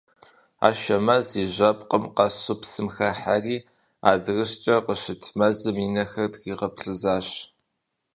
Ашэмэз и жьэпкъыпэм къэсу псым хыхьэри, адырыщӏкӏэ къыщыт мэзыжьым и нэхэр тригъэплъызащ.